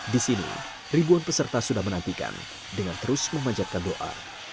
di sini ribuan peserta sudah menantikan dengan terus memanjatkan doa